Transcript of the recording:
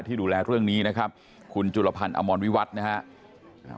ดูแลเรื่องนี้นะครับคุณจุลพันธ์อมรวิวัตรนะครับ